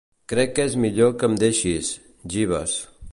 Crec que és millor que em deixis, Jeeves.